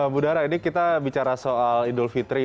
bu dara ini kita bicara soal idul fitri